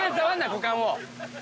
股間を！